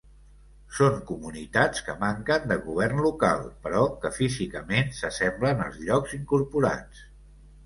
Són comunitats que manquen de govern local, però que físicament s'assemblen als llocs incorporats.